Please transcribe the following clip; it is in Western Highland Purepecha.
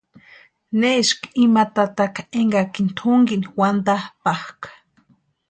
Neski ima tataka énkakini tʼunkini wantapʼakʼa.